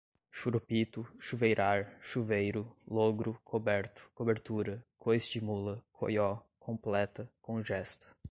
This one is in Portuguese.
churupito, chuveirar, chuveiro, lôgro, coberto, cobertura, coice de mula, coió, completa, conjesta